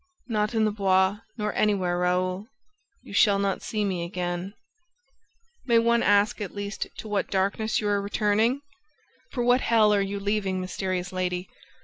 "Not in the Bois nor anywhere, Raoul: you shall not see me again ..." "May one ask at least to what darkness you are returning? ... For what hell are you leaving, mysterious lady